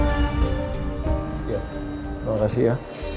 ya terima kasih ya